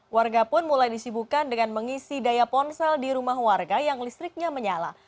warga pun mulai disibukan dengan mengisi daya ponsel di rumah warga yang listriknya menyala